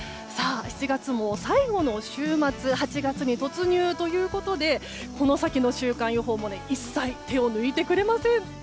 さあ、７月も最後の週末８月に突入ということでこの先の週間予報も一切手を抜いていくれません。